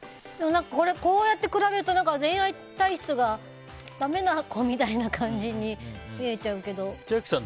これ、こうやって比べると恋愛体質がだめな子みたいな感じに見えちゃうけど。